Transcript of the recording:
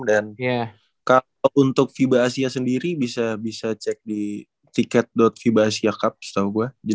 dan kalau untuk fiba asia sendiri bisa bisa cek di ticket fiba asia cups tau gue